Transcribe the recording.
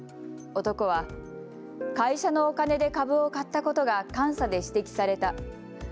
男は、会社のお金で株を買ったことが監査で指摘された。